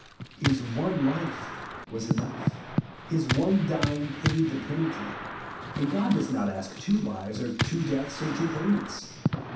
His one life was enough ; his one dying paid the penalty ; and God does not ask two lives, or two deaths, or two payments.